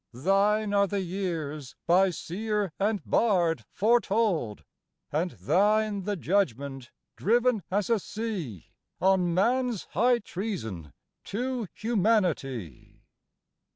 Thine are the years by seer and bard foretold, And thine the judgment driven as a sea On man s high treason to humanity.